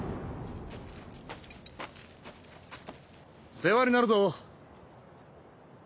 世話になるぞ。